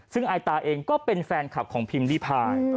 ซึ่งไอตาเองก็เป็นแฟนคลับของพิมพ์ริพาย